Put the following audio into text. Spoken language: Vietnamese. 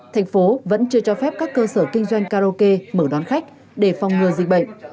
thành phố vẫn chưa cho phép các cơ sở kinh doanh karaoke mở đón khách để phòng ngừa dịch bệnh